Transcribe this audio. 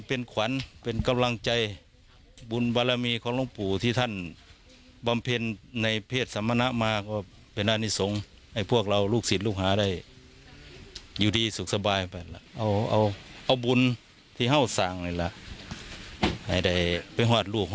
เอาเอาเอาบุญที่เข้าสร้างเลยล่ะให้ได้ไปหวาดลูกหวาดเต่าให้ได้รับ